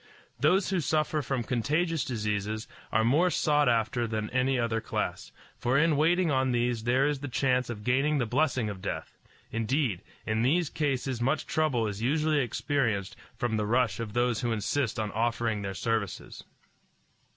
Those who suffer from contagious diseases are more sought after than any other class, for in waiting on these there is the chance of gaining the blessing of death; indeed, in these cases much trouble is usually experienced from the rush of those who insist on offering their services.